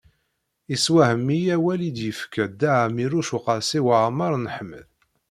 Iswahem-iyi awal i d-yefka Dda Ɛmiiruc u Qasi Waɛmer n Ḥmed.